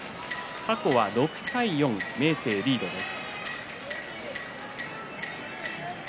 過去６対４、明生リードです。